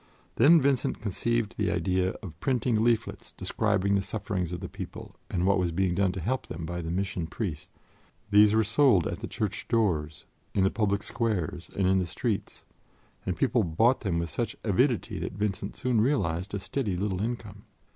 Then Vincent conceived the idea of printing leaflets describing the sufferings of the people and what was being done to help them by the Mission Priests. These were sold at the church doors, in the public squares and in the streets, and people bought them with such avidity that Vincent soon realized a steady little income.